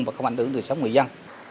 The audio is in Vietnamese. và không ảnh hưởng đến sống người dân